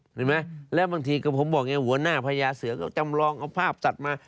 ใช่ไหมแล้วปุ๋งแบบผมบอกเนี่ยหัวหน้าพญาเสือก็จำลองเอาภาพจัดมา